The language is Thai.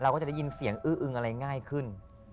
ก็จะได้ยินเสียงอื้ออึงอะไรง่ายขึ้น